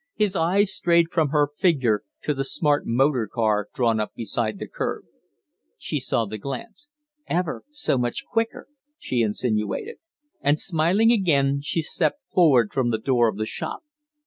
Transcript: His eyes strayed from her figure to the smart motor car drawn up beside the curb. She saw the glance. "Ever so much quicker," she insinuated; and, smiling again, she stepped forward from the door of the shop.